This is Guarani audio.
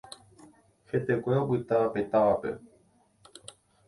Hetekue opyta pe távape.